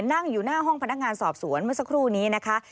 นั่งอยู่หน้าห้องพนักงานสอบสวนเมื่อสักครู่นี้นะคะ